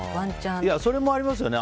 それもありますよね。